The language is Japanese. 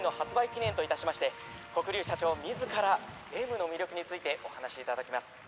記念といたしまして黒龍社長自らゲームの魅力についてお話しいただきます